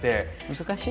難しい？